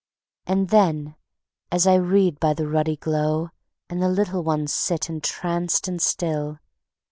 And then, as I read by the ruddy glow And the little ones sit entranced and still